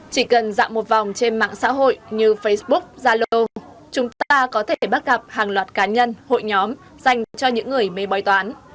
chỉ cần dạo một vòng trên mạng xã hội như facebook zalo chúng ta có thể bắt gặp hàng loạt cá nhân hội nhóm dành cho những người mê bói toán